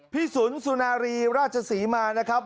สุนสุนารีราชศรีมานะครับ